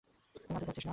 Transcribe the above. না, তুই যাচ্ছিস না।